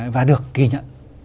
và được ghi nhận